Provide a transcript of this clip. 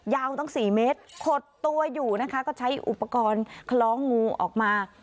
ตั้ง๔เมตรขดตัวอยู่นะคะก็ใช้อุปกรณ์คล้องงูออกมา